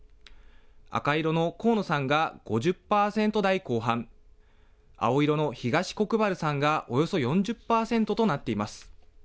赤色の河野さんが５０％台後半、青色の東国原さんがおよそ４０％となっています。